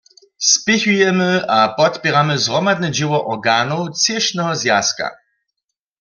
Spěchujemy a podpěramy zhromadne dźěło organow třěšneho zwjazka.